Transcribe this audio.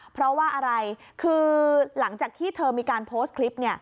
เพราะว่าอะไรคือหลังจากที่เธอมีการโพสต์คลิป